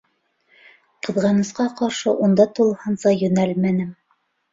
Ҡыҙғанысҡа ҡаршы, унда тулыһынса йүнәлмәнем.